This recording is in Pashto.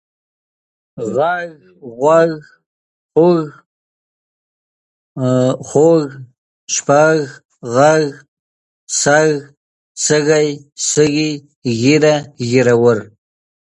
غږ، غوږ، خوَږ، ځوږ، شپږ، ږغ، سږ، سږی، سږي، ږېره، ږېروَر .